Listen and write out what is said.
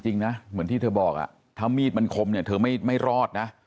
จริงนะเหมือนที่เธอบอกถ้ามีดมันคมเนี่ยเธอไม่รอดนะ